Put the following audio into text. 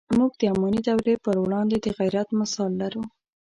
موږ د اماني دورې پر وړاندې د غیرت مثال لرو.